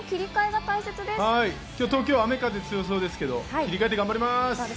今日東京、雨・風強そうですけど、切り替えて頑張ります。